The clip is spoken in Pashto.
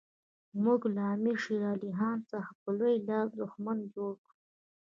موږ له امیر شېر علي خان څخه په لوی لاس دښمن جوړ کړ.